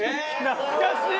懐かしい！